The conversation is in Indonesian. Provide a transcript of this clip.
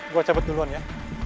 gue cabut duluan ya